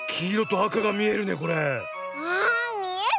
ああみえる！